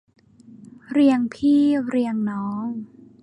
เรียงพี่เรียงน้อง